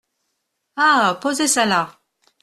Ah ! posez ça là.